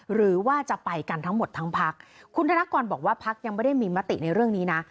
หรือว่าจะไปกันทั้งหมดทั้งพักคุณธนกรบอกว่าพักยังไม่ได้มีมติในเรื่องนี้นะ